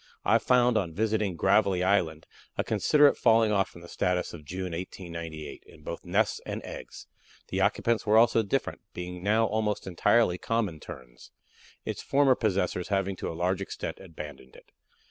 I found on visiting Gravelly Island a considerable falling off from the status of June, 1896, in both nests and eggs; the occupants were also different, being now almost entirely Common Terns, its former possessors having to a large extent abandoned it."